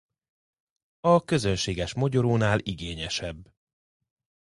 A közönséges mogyorónál igényesebb.